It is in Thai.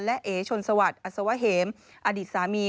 และเอ๋ชนสวรรค์อสวเหมอดีตสามี